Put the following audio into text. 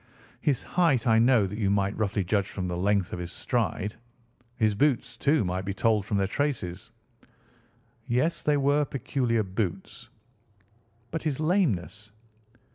"His height I know that you might roughly judge from the length of his stride. His boots, too, might be told from their traces." "Yes, they were peculiar boots." "But his lameness?"